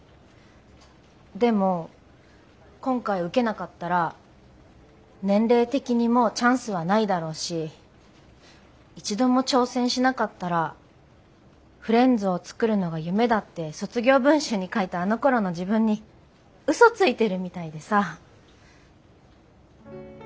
でも今回受けなかったら年齢的にもうチャンスはないだろうし一度も挑戦しなかったらフレンズを作るのが夢だって卒業文集に書いたあのころの自分にうそついてるみたいでさ。